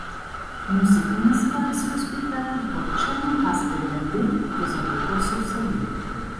Музыка называе свой спектакль павучальнай казкай для тых, хто заблытаўся ў сабе.